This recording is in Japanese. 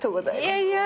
いやいや。